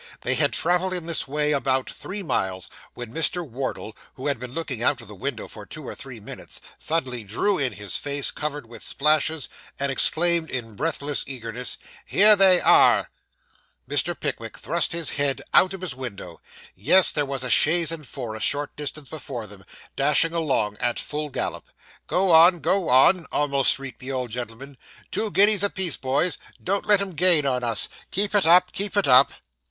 They had travelled in this way about three miles, when Mr. Wardle, who had been looking out of the Window for two or three minutes, suddenly drew in his face, covered with splashes, and exclaimed in breathless eagerness 'Here they are!' Mr. Pickwick thrust his head out of his window. Yes: there was a chaise and four, a short distance before them, dashing along at full gallop. 'Go on, go on,' almost shrieked the old gentleman. 'Two guineas a piece, boys don't let 'em gain on us keep it up keep it up.